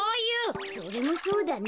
それもそうだね。